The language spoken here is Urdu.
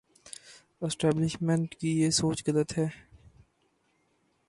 اسٹیبلشمنٹ کی یہ سوچ غلط ہے۔